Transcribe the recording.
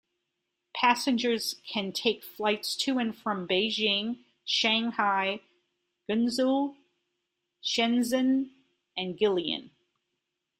Passengers can take flights to and from Beijing, Shanghai, Guangzhou, Shenzhen, and Guilin.